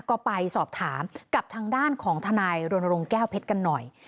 ก็ไปสอบถามกับทางด้านของทนายรณรงค์แก้วเพชรกันหน่อย